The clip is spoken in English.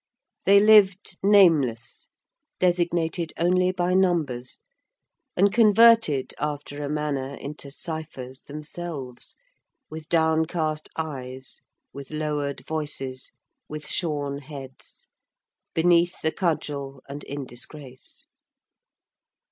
They lived nameless, designated only by numbers, and converted, after a manner, into ciphers themselves, with downcast eyes, with lowered voices, with shorn heads, beneath the cudgel and in disgrace.